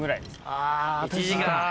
あー、１時間。